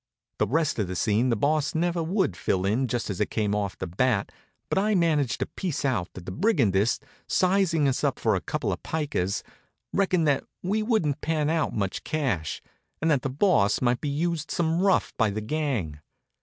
The rest of the scene the Boss never would fill in just as it came off the bat, but I managed to piece out that the brigandess, sizing us up for a couple of pikers, reckoned that we wouldn't pan out much cash, and that the Boss might be used some rough by the gang.